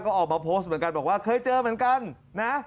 ก็ออกมาโพสต์เหมือนกันบอกว่าเคยเจอเหมือนกันนะ